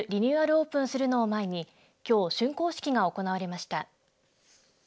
オープンするのを前にきょう、しゅんこう式が行われました。